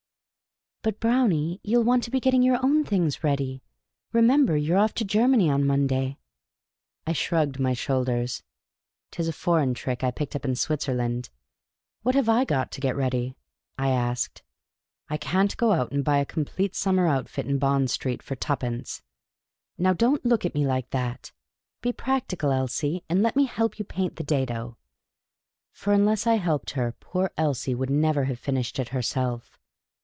" But, Brownie, you '11 want to be getting your own things ready. Remember, you ' re off" to Germany on Monday. '' I shrugged my shoulders. 'T is a foreign trick I picked up in Switzerland. " What have I got to get ready ?" I asked. " I can't go out and buy a complete summer outfit in Bond Street for twopence. Now, don't look at me like that : be practical, Elsie, and let me help you paint the Jado." For unless I helped her, poor Elsie could never have finished it herself.